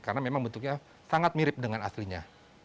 karena memang bentuknya sangat mirip dengan aslinya